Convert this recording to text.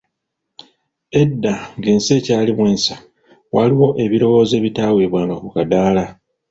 Edda ng'ensi ekyalimu ensa, waaliyo ebirowoozo ebitaweebwanga ku kadaala.